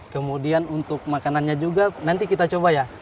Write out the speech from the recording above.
kemudian untuk makanannya juga nanti kita coba ya